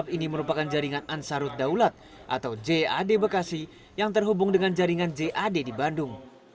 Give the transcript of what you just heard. ini merupakan jaringan ansarut daulat atau jad bekasi yang terhubung dengan jaringan jad di bandung